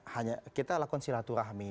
hanya kita lakukan silaturahmi